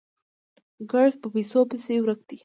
ګړد په پيسو پسې ورک دي